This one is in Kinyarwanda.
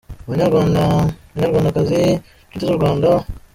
Banyarwanda , banyarwandakazi, nshuti z’u Rwanda